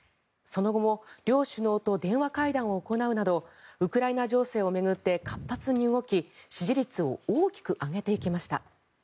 その後も両首脳と電話会談を行うなどウクライナ情勢を巡って活発に動き支持率を大きく上げていきました。